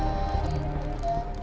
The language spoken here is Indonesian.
nih ini udah gampang